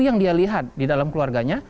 yang dia lihat di dalam keluarganya